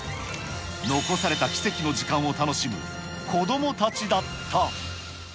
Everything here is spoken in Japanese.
残された奇跡の時間を楽しむ子どもたちだった。